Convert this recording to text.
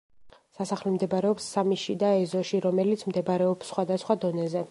სასახლე მდებარეობს სამი შიდა ეზოში, რომელიც მდებარეობს სხვადასხვა დონეზე.